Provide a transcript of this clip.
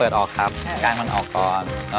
ได้เหมือนกัน